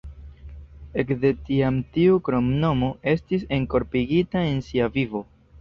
Ekde tiam tiu kromnomo estis enkorpigita en sia vivo.